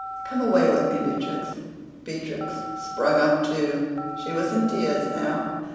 "Come away with me, Beatrix." Beatrix sprung up too; she was in tears now.